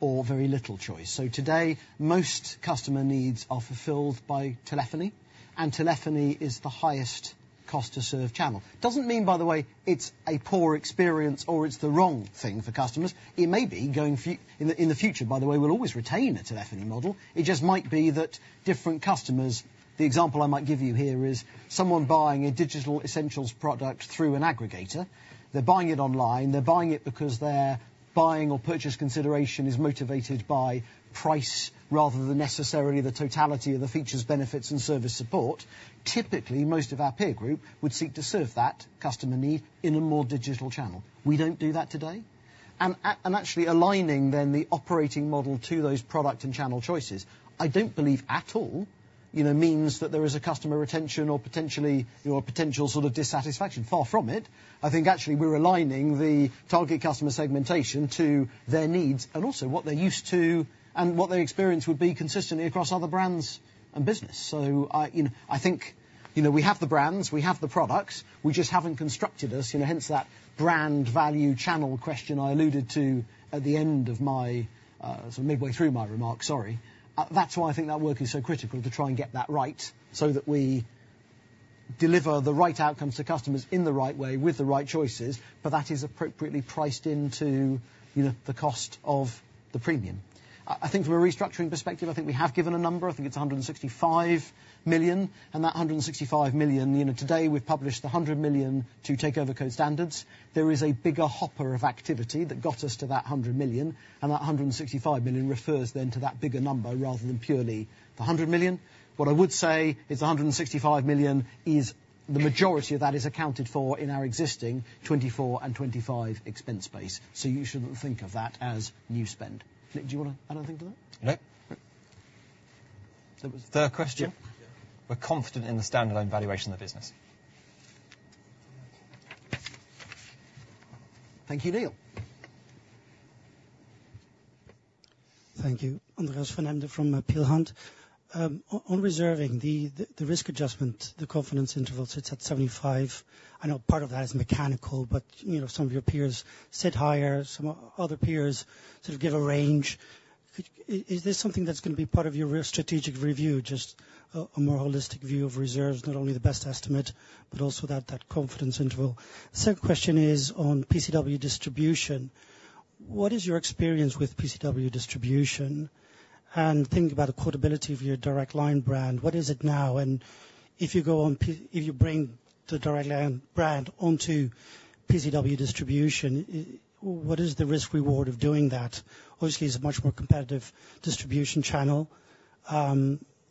or very little choice. So today, most customer needs are fulfilled by telephony, and telephony is the highest cost-to-serve channel. Doesn't mean, by the way, it's a poor experience or it's the wrong thing for customers. It may be going in the future, by the way. We'll always retain a telephony model. It just might be that different customers. The example I might give you here is someone buying a digital essentials product through an aggregator. They're buying it online. They're buying it because their buying or purchase consideration is motivated by price rather than necessarily the totality of the features, benefits, and service support. Typically, most of our peer group would seek to serve that customer need in a more digital channel. We don't do that today. Actually, aligning then the operating model to those product and channel choices, I don't believe at all means that there is a customer retention or potentially a potential sort of dissatisfaction. Far from it. I think actually we're aligning the target customer segmentation to their needs and also what they're used to and what their experience would be consistently across other brands and business. So, I think we have the brands. We have the products. We just haven't constructed us. Hence that brand value channel question I alluded to at the end of my sort of midway through my remark, sorry. That's why I think that work is so critical to try and get that right so that we deliver the right outcomes to customers in the right way with the right choices, but that is appropriately priced into the cost of the premium. I think from a restructuring perspective, I think we have given a number. I think it's 165 million. And that 165 million, today we've published the 100 million to take over code standards. There is a bigger hopper of activity that got us to that 100 million, and that 165 million refers then to that bigger number rather than purely the 100 million. What I would say is the 165 million is the majority of that is accounted for in our existing 2024 and 2025 expense base. So, you shouldn't think of that as new spend. Neil, do you want to add anything to that? No. Third question. We're confident in the standalone valuation of the business. Thank you, Neil. Thank you. Andreas van Embden from Peel Hunt. On reserving, the risk adjustment, the confidence interval, so it's at 75. I know part of that is mechanical, but some of your peers sit higher. Some other peers sort of give a range. Is this something that's going to be part of your strategic review, just a more holistic view of reserves, not only the best estimate, but also that confidence interval? The second question is on PCW distribution. What is your experience with PCW distribution? And thinking about the quotability of your Direct Line brand, what is it now? And if you go on if you bring the Direct Line brand onto PCW distribution, what is the risk-reward of doing that? Obviously, it's a much more competitive distribution channel.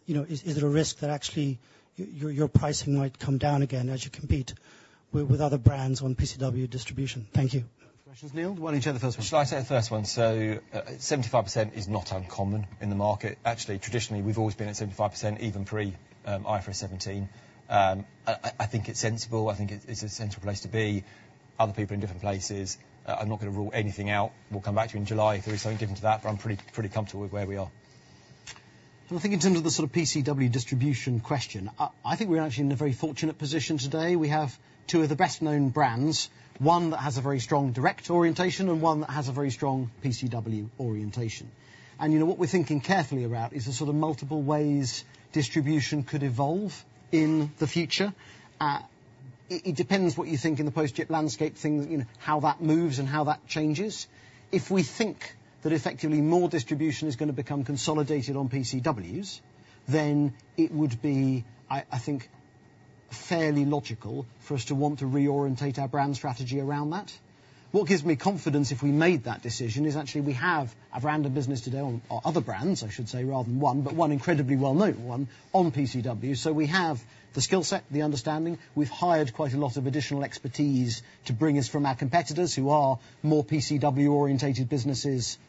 Is there a risk that actually your pricing might come down again as you compete with other brands on PCW distribution? Thank you. Questions, Neil? Why don't you take the first one? Shall I take the first one? So, 75% is not uncommon in the market. Actually, traditionally, we've always been at 75%, even pre-IFRS 17. I think it's sensible. I think it's a sensible place to be. Other people in different places. I'm not going to rule anything out. We'll come back to you in July if there is something different to that, but I'm pretty comfortable with where we are. I think in terms of the sort of PCW distribution question, I think we're actually in a very fortunate position today. We have two of the best-known brands, one that has a very strong direct orientation and one that has a very strong PCW orientation. What we're thinking carefully about is the sort of multiple ways distribution could evolve in the future. It depends on what you think in the post-GIPP landscape, how that moves and how that changes. If we think that effectively more distribution is going to become consolidated on PCWs, then it would be, I think, fairly logical for us to want to reorientate our brand strategy around that. What gives me confidence if we made that decision is actually, we have a brand of business today on other brands, I should say, rather than one, but one incredibly well-known one on PCW. So, we have the skill set, the understanding. We've hired quite a lot of additional expertise to bring us from our competitors who are more PCW-orientated businesses,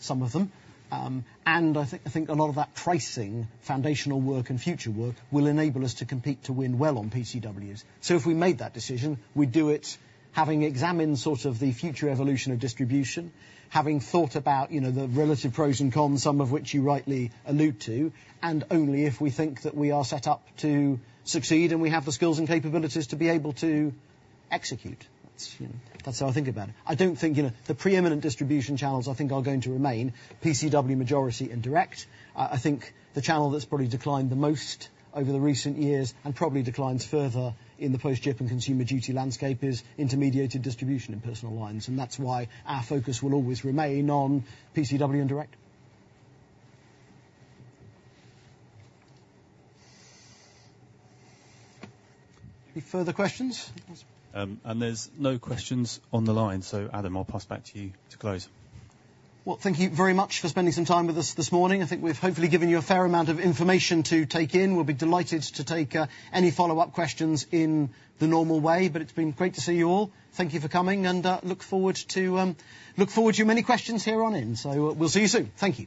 some of them. I think a lot of that pricing, foundational work, and future work will enable us to compete to win well on PCWs. So if we made that decision, we'd do it having examined sort of the future evolution of distribution, having thought about the relative pros and cons, some of which you rightly allude to, and only if we think that we are set up to succeed and we have the skills and capabilities to be able to execute. That's how I think about it. I don't think the preeminent distribution channels, I think, are going to remain PCW majority and direct. I think the channel that's probably declined the most over the recent years and probably declines further in the post-GIPP and Consumer Duty landscape is intermediated distribution and personal lines. And that's why our focus will always remain on PCW and direct. Further questions? There's no questions on the line. Adam, I'll pass back to you to close. Well, thank you very much for spending some time with us this morning. I think we've hopefully given you a fair amount of information to take in. We'll be delighted to take any follow-up questions in the normal way, but it's been great to see you all. Thank you for coming, and look forward to many questions here on in. So, we'll see you soon. Thank you.